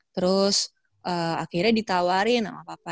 terus akhirnya ditawarin sama papa